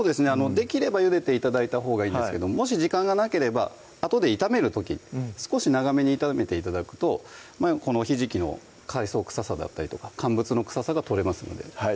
できればゆでて頂いたほうがいいんですがもし時間がなければあとで炒める時少し長めに炒めて頂くとひじきの海藻臭さだったりとか乾物の臭さが取れますのでは